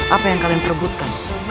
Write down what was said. apa yang kalian perebutkan